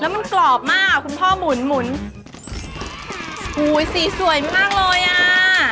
มันกรอบมากอ่ะคุณพ่อหมุนหมุนอุ้ยสีสวยมากเลยอ่ะ